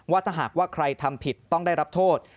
ว่าถ้าหากว่าใครทำผิดต้องได้รับโทษ